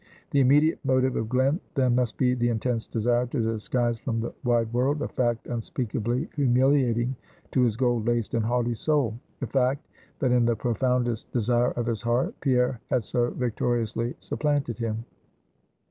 The immediate motive of Glen then must be the intense desire to disguise from the wide world, a fact unspeakably humiliating to his gold laced and haughty soul: the fact that in the profoundest desire of his heart, Pierre had so victoriously supplanted him.